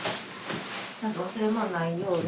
忘れ物ないように。